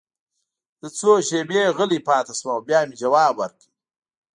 زه څو شېبې غلی پاتې شوم او بیا مې ځواب ورکړ